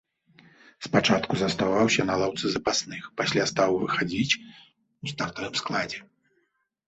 Спачатку заставаўся на лаўцы запасных, пасля стаў выхадзіць у стартавым складзе.